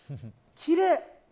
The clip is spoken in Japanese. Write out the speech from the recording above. きれい。